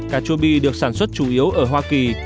cà chua bi được sản xuất chủ yếu ở hoa kỳ